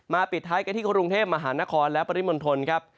ปิดท้ายกันที่กรุงเทพมหานครและปริมณฑลครับ